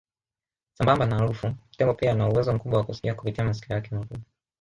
Sambamba na harufu tembo pia ana uwezo mkubwa wa kusikia kupitia masikio yake makubwa